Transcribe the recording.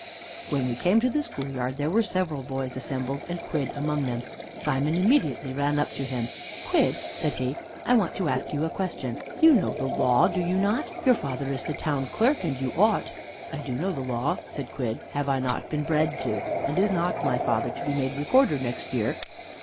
When we came to the schoolyard there were several boys assembled and Quidd among them. Simon immediately ran up to him. "Quidd," said he, "I want to ask you a question. You know the law, do you not? Your father is the town clerk, and you ought." "I do know the law," said Quidd. "Have I not been bred to it? And is not my father to be made Recorder next year?"